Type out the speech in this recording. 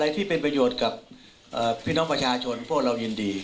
ที่เป็นประโยชน์กับพี่น้องประชาชนพวกเรายินดี